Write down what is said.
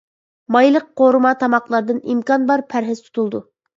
مايلىق، قورۇما تاماقلاردىن ئىمكان بار پەرھىز تۇتۇلىدۇ.